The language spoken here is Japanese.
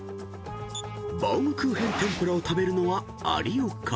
［バウムクーヘン天ぷらを食べるのは有岡］